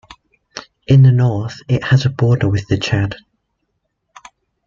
In the north it has a border with the Chad.